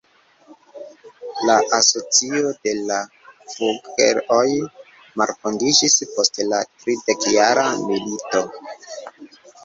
La asocio de la Fugger-oj malfondiĝis post la tridekjara milito.